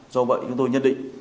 do vậy chúng tôi nhất định